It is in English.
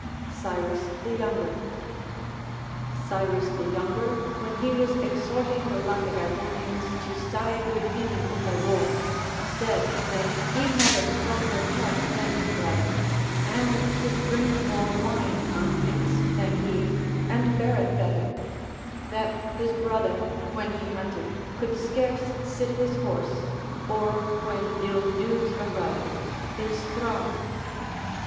Cyrus the Younger. Cyrus the Younger, when he was exhorting the Lacedaemonians to side with him in the war, said that he had a stronger heart than his brother, and could drink more wine unmixed than he, and bear it better ; that his brother, when he hunted, could scarce sit his horse, or when ill news arrived, his throne.